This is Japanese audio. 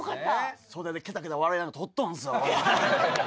袖でケタケタ笑いながら撮っとんすよ。